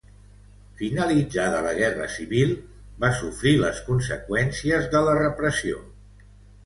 Finalitzada la Guerra Civil va sofrir les conseqüències de la repressió.